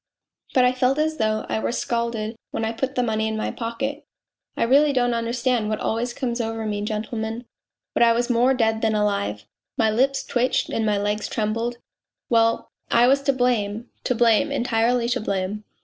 But I felt as though I were scalded when I put the money in my pocket. I really don't understand what always comes over me, gentlemen but I was more dead than alive, my lips twitched and my legs trembled ; well, I was to blame, to blame, entirely to blame.